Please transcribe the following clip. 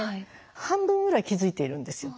半分ぐらい気付いているんですよ。